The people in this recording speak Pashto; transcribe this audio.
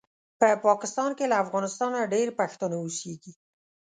په پاکستان کې له افغانستانه ډېر پښتانه اوسیږي